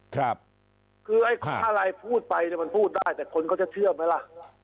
คือผมพูดอ่ะแต่คนจะเชื่อมไหมล่ะ